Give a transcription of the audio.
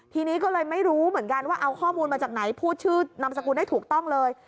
ทีนี้ก็เลยไม่รู้เหมือนกันว่าเอาข้อมูลมาจากไหนพูดชื่อนามสกุลได้ถูกต้องเลย